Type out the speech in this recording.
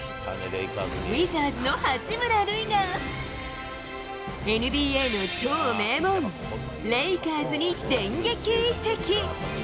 ウィザーズの八村塁が、ＮＢＡの超名門、レイカーズに電撃移籍。